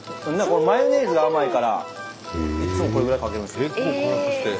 マヨネーズが甘いからいっつもこれぐらいかけるんですよ。